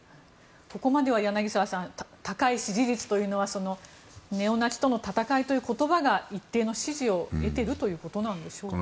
ここまでは柳澤さん、高い支持率というのはネオナチとの戦いという言葉が一定の支持を得ているということなんでしょうか。